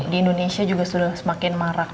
di indonesia juga sudah semakin marak